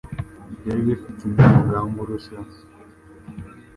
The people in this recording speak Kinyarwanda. byari bifite undi mugambi uruseho.